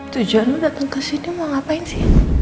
tujuan lo dateng kesini mau ngapain sih